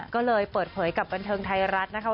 ก็เลยเปิดเผยกับบันเทิงไทยรัฐนะคะ